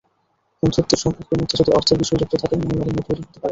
বন্ধুত্বের সম্পর্কের মধ্যে যদি অর্থের বিষয় যুক্ত থাকে, মনোমালিন্য তৈরি হতে পারে।